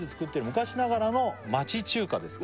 「昔ながらの町中華ですが」